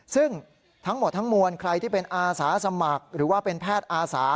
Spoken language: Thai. ซึ่งทั้งหมดทั้งมวลใครที่เป็นอาสาสมัครหรือว่าเป็นแพทย์อาสา